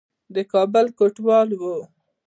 د کابل کوټوال وو.